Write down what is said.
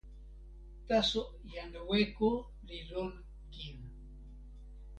taso jan Weko li lon kin.